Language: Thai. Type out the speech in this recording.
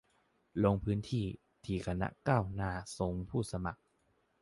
ลงพื้นที่ที่คณะก้าวหน้าส่งผู้สมัคร